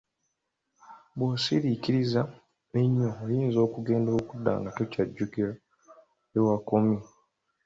Bw'osiriikiriza ennyo oyinza okugenda okudda nga tokyajjukira ne wewakomye!